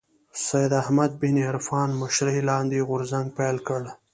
سید احمد بن عرفان مشرۍ لاندې غورځنګ پيل کړ